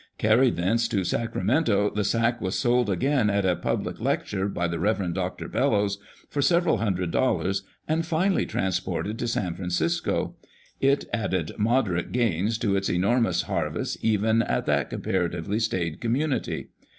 Carried thence to Sacramento, the sack was sold again at a public lecture by the Rev. Dr. Bellows, for several hundred dollars and finally transported to San Francisco; it added moderate gains to its enormous harvest even in that comparatively staid community.